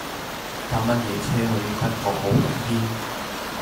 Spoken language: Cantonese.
搭乜嘢車去北角傲龍軒